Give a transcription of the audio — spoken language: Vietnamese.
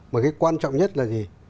mà cái quan trọng nhất là gì